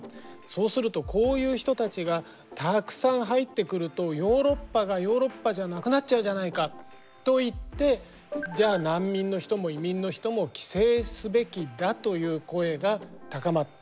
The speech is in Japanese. そうするとこういう人たちがたくさん入ってくるとヨーロッパがヨーロッパじゃなくなっちゃうじゃないかと言ってじゃあ難民の人も移民の人も規制すべきだという声が高まる。